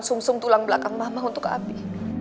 sum sum tulang belakang mama untuk abi